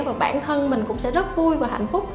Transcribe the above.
và bản thân mình cũng sẽ rất vui và hạnh phúc